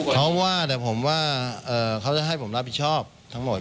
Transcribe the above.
เขาว่าแต่ผมว่าเขาจะให้ผมรับผิดชอบทั้งหมด